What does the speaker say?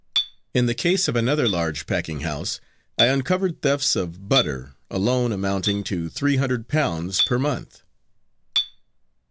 In the case of another large packing house I uncovered thefts of butter alone amounting to three hundred pounds per month.